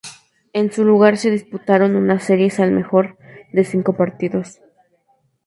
En su lugar se disputaron unas series al mejor de cinco partidos.